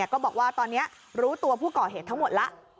ก็บอกว่าตอนนี้รู้ตัวผู้ก่อเหตุทั้งหมดแล้ว